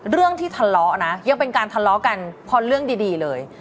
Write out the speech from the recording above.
เรื่องที่ทะเลาะนะยังเป็นการทะเลาะกันพอเรื่องดีเลย